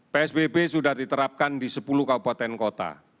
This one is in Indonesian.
psbb sudah diterapkan di sepuluh kabupaten kota